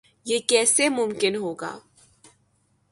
یہ کیسے ممکن ہو گا؟